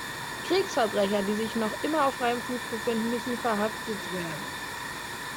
Kriegsverbrecher, die sich noch immer auf freiem Fuß befinden, müssen verhaftet werden.